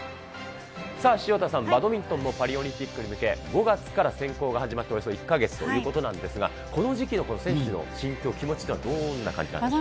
さあ、潮田さん、バドミントンもパリオリンピックに向け、５月から選考が始まっておよそ１か月ということなんですが、この時期の選手の心境、気持ちというのはどんな感じなんでしょう。